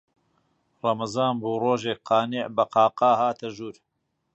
ڕەمەزان بوو، ڕۆژێک قانیع بە قاقا هاتە ژوور